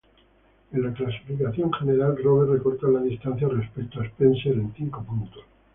En la clasificación general, Roberts recorta la distancia respecto a Spencer a cinco puntos.